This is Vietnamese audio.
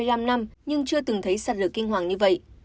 chị vẫn chưa từng thấy sạt lở kinh hoàng như vậy